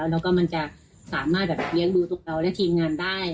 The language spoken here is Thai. แล้วก็มันจะสามารถเลี้ยงดูตัวเราและทีมงานได้